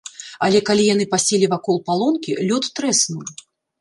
Але калі яны паселі вакол палонкі, лёд трэснуў.